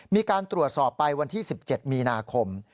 มีการตรวจสอบไปวันที่๑๗มีนาคม